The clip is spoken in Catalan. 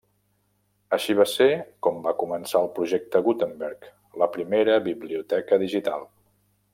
Així va ser com va començar el Projecte Gutenberg, la primera biblioteca digital.